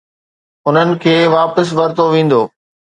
انهن کي واپس ورتو ويندو.